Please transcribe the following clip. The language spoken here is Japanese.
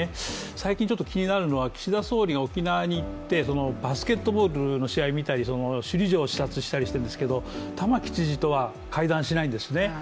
最近気になるのは岸田総理が沖縄に行ってバスケットボールの試合を見たり首里城を視察したりしているんですけれども玉城知事とは会談しないんですね。